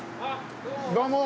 どうも。